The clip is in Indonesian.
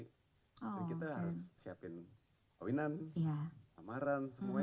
tapi kita harus siapin kawinan amaran semuanya